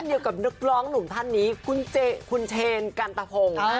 เช่นเดียวกับนักร้องหนุ่มท่านนี้คุณเจคุณเชนกันตภง